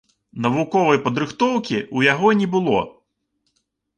Навуковай падрыхтоўкі ў яго не было.